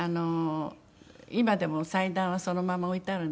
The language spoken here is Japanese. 今でも祭壇はそのまま置いてあるんですね